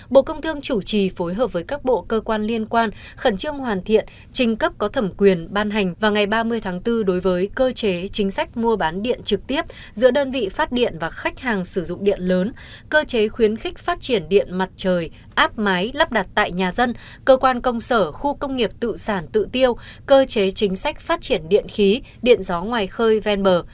bộ công thương chủ trì phối hợp với các bộ cơ quan liên quan khẩn trương hoàn thiện trình cấp có thẩm quyền ban hành vào ngày ba mươi tháng bốn đối với cơ chế chính sách mua bán điện trực tiếp giữa đơn vị phát điện và khách hàng sử dụng điện lớn cơ chế khuyến khích phát triển điện mặt trời áp máy lắp đặt tại nhà dân cơ quan công sở khu công nghiệp tự sản tự tiêu cơ chế chính sách phát triển điện khí điện gió ngoài khơi ven bờ